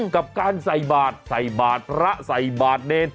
กับการใส่บาทใส่บาทพระใส่บาทเนร